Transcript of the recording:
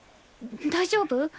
大丈夫？